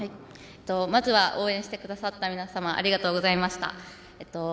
まずは応援してくださった皆様ありがとうございました。